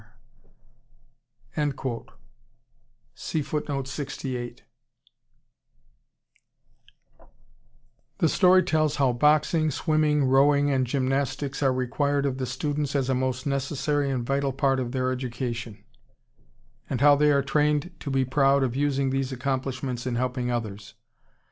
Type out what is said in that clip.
The story tells how boxing, swimming, rowing, and gymnastics are required of the students as a most necessary and vital part of their education, and how they are trained to be proud of using these accomplishments in helping others.